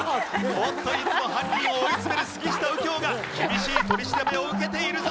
おっといつも犯人を追いつめる杉下右京が厳しい取り調べを受けているぞ！